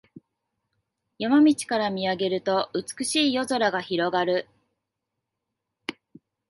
山道から見上げると美しい夜空が広がる